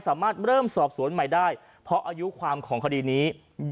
สามารถเริ่มสอบสวนใหม่ได้เพราะอายุความของคดีนี้